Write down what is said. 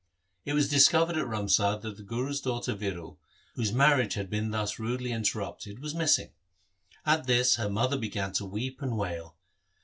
It was discovered at Ramsar that the Guru's daughter Viro, whose marriage had been thus rudely interrupted, was missing. At this her mother began to weep and wail.